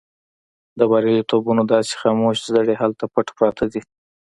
د برياليتوبونو داسې خاموش زړي هلته پټ پراته دي.